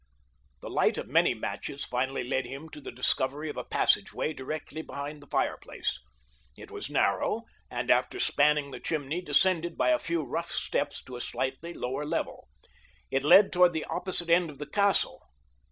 The light of many matches finally led him to the discovery of a passageway directly behind the fireplace. It was narrow, and after spanning the chimney descended by a few rough steps to a slightly lower level. It led toward the opposite end of the castle.